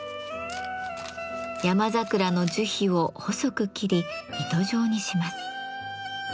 山桜の樹皮を細く切り糸状にします。